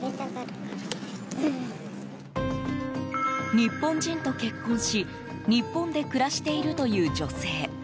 日本人と結婚し日本で暮らしているという女性。